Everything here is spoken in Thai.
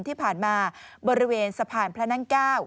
ที่ผ่านมาบริเวณสะพานพระนั่ง๙